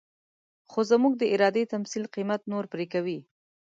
خو زموږ د ارادې تمثيل قيمت نور پرې کوي.